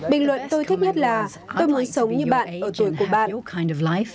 bình luận tôi thích nhất là tôi mới sống như bạn ở tuổi của bạn